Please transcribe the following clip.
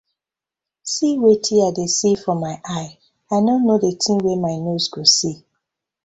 See wetin I dey see for my eye, I no no di tin wey my nose go see.